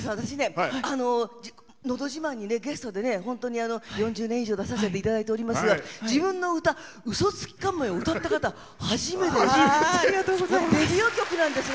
「のど自慢」にゲストで本当に４０年以上出させていただいておりますが自分の歌「ウソツキ鴎」を歌った方、初めてです。